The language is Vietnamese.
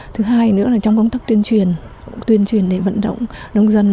thứ hai nữa là trong công tác tuyên truyền tuyên truyền để vận động nông dân